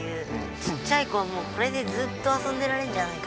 ちっちゃい子はもうこれでずっと遊んでられるんじゃないかなって。